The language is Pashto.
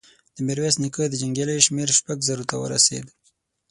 د ميرويس نيکه د جنګياليو شمېر شپږو زرو ته ورسېد.